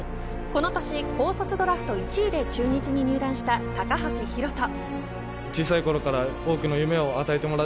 この年、高卒ドラフト１位で中日に入団した高橋宏斗。